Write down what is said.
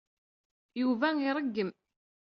Yuba iṛeggem.